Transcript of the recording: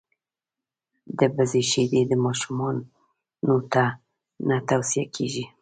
دبزې شیدي ماشومانوته نه تو صیه کیږي.